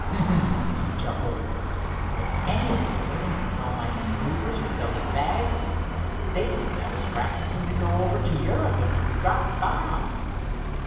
"Hum" he chuckled. "If any of the airmen saw my maneuvers with those bags they'd think I was practicing to go over to Europe and drop bombs.